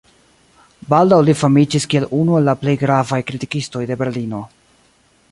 Baldaŭ li famiĝis kiel unu el la plej gravaj kritikistoj de Berlino.